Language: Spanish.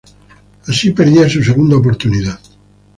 Así perdía su segunda oportunidad.